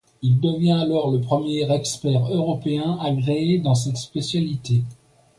Il devient alors le premier expert européen agréé dans cette spécialité.